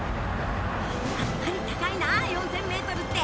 やっぱり高いな４，０００ｍって。